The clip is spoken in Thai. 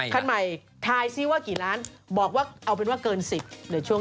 คนไทยที่ไปปีน